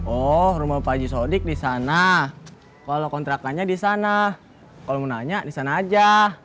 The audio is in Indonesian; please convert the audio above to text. oh rumah pak j sodik di sana kalau kontrakannya di sana kalau mau nanya di sana aja